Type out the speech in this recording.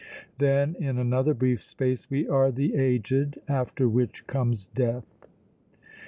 Then in another brief space we are the aged, after which comes death!"